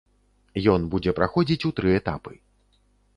Ён будзе праходзіць у тры этапы.